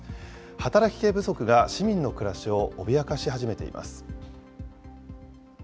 働き手不足が市民の暮らしを脅かし始めています。